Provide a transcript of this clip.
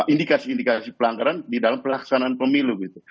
indikasi indikasi pelanggaran di dalam pelaksanaan pemilu gitu